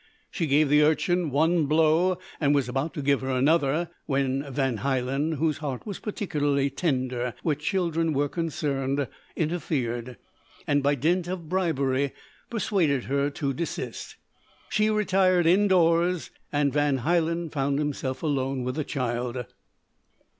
She gave the urchin one blow, and was about to give her another, when Van Hielen, whose heart was particularly tender where children were concerned, interfered, and by dint of bribery persuaded her to desist. She retired indoors, and Van Hielen found himself alone with the child.